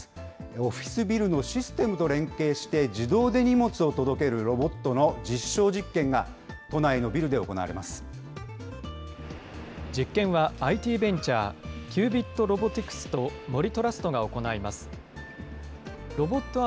オフィスビルのシステムと連携して、自動で荷物を届けるロボットの実証実験が都内のビルで行われ実験はＩＴベンチャー、ＱＢＩＴＲｏｂｏｔｉｃｓと森トラストが行います。